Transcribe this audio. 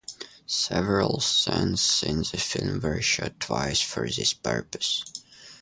Several scenes in the film were shot twice for this purpose.